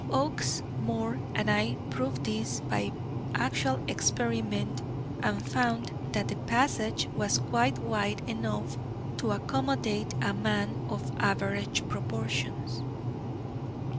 Oakes, Moore and I proved this by actual experiment and found that the passage was quite wide enough to accommodate a man of average proportions.